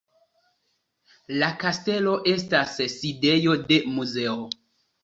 La kastelo estas sidejo de muzeo.